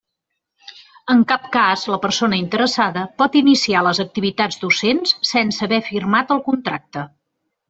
En cap cas la persona interessada pot iniciar les activitats docents sense haver firmat el contracte.